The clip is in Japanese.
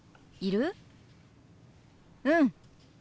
うん！